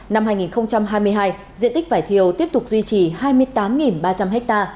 năm hai nghìn hai mươi hai diện tích vải thiều tiếp tục duy trì hai mươi tám ba trăm linh ha